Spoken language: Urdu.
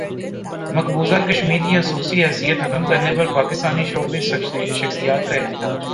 مقبوضہ کشمیر کی خصوصی حیثیت ختم کرنے پر پاکستانی شوبز شخصیات کا احتجاج